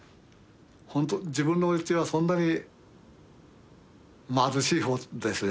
ほんと自分のうちはそんなに貧しい方ですね。